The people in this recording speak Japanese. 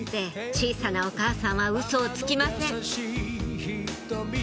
小さなお母さんはウソをつきません